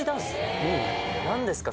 何ですか？